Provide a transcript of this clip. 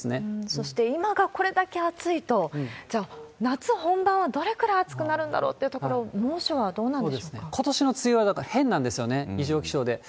そして今がこれだけ暑いと、じゃあ夏本番はどれくらい暑くなるんだろうっていうところ、猛暑ことしの梅雨は、だから変なんですよね、異常気象で。